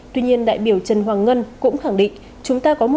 tuy nhiên đại biểu trần hoàng ngân cũng khẳng định